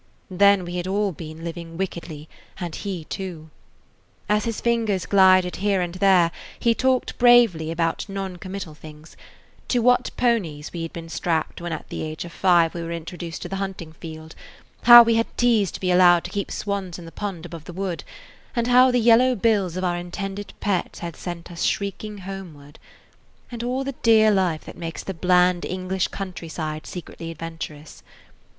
Then we had all been living wickedly, and he, too. As his fingers glided here and there he talked bravely about non committal things: to what ponies we had been strapped when at the age of five we were introduced to the hunting field; how we had teased to be allowed to keep swans in the pond above the wood, and how the yellow bills of our intended pets had sent us shrieking homeward; and all the dear life that makes the bland English countryside secretly adventurous.